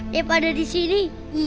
daripada di sini